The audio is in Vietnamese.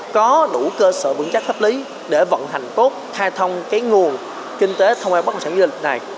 có đủ cơ sở vững chắc pháp lý để vận hành tốt thai thông cái nguồn kinh tế thông báo bất động sản dụng nghỉ dưỡng này